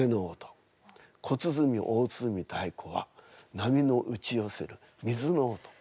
小鼓大鼓太鼓は波の打ち寄せる水の音。